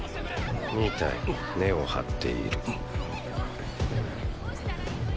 ２体根をはっている。